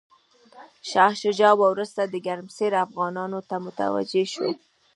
شاه شجاع وروسته د ګرمسیر افغانانو ته متوجه شو.